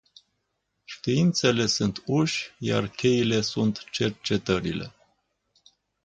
Științele sunt uși, iar cheile sunt cercetările.